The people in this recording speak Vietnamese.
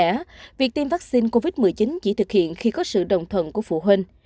vì lẽ việc tiêm vaccine covid một mươi chín chỉ thực hiện khi có sự đồng thuận của phụ huynh